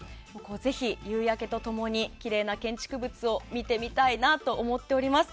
ぜひ夕焼けと共にきれいな建築物を見てみたいなと思っております。